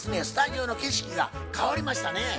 スタジオの景色が変わりましたね。